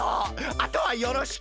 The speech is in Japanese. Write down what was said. あとはよろしく。